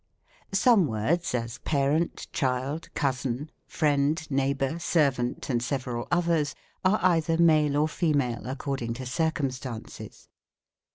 Some words ; as, parent, child, cousin, friend, neigh bour, servant and several others, are either male or fe male, according to circumstances.